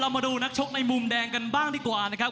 มาดูนักชกในมุมแดงกันบ้างดีกว่านะครับ